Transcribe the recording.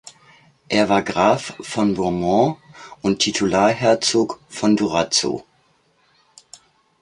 Er war Graf von Beaumont und Titular-Herzog von Durazzo.